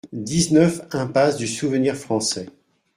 dix-neuf impasse du Souvenir Français